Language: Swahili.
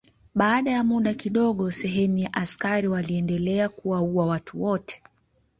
Baada ya muda kidogo sehemu ya askari waliendelea kuwaua watu wote.